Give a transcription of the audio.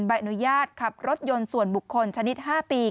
ใบอนุญาตขับรถยนต์ส่วนบุคคลชนิด๕ปี